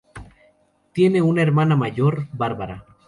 Tiene una hermana mayor, Barbara.